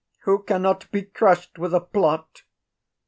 Who cannot be crushed with a plot?